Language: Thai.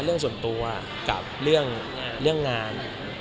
เรื่องส่วนตัวกับเรื่องงาน